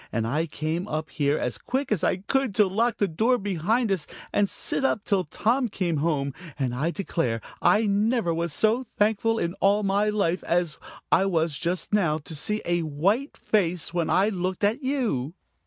And I came up here as quick as I could, to lock the door behind us and sit up till Tom came home, and I declare, I never was so thankful in all my life as I was just now to see a white face when I looked at you!"